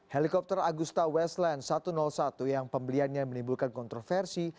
helikopter agusta westland satu ratus satu yang pembeliannya menimbulkan kontroversi